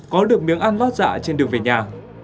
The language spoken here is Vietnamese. có được miếng ăn lót dạ trên đường về nhà